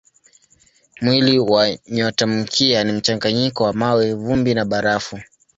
Mwili wa nyotamkia ni mchanganyiko wa mawe, vumbi na barafu.